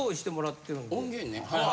音源ね。